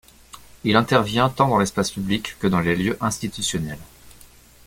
Il intervient tant dans l'espace public que dans des lieux institutionnels.